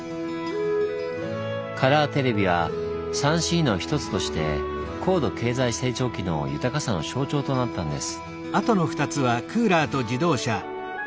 カラーテレビは「３Ｃ」の一つとして高度経済成長期の豊かさの象徴となったんです。